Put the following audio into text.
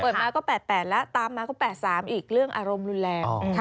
มาก็๘๘แล้วตามมาก็๘๓อีกเรื่องอารมณ์รุนแรง